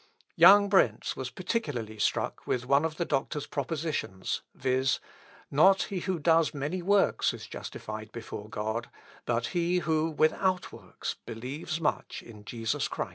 Young Brentz was particularly struck with one of the doctor's propositions, viz., "Not he who does many works is justified before God, but he who, without works, believes much in Jesus Christ."